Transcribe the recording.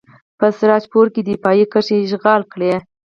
په سراج پور کې دفاعي کرښې اشغال کړئ.